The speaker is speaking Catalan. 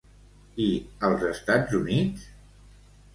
I als Estats Units?